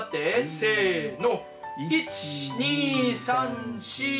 せの。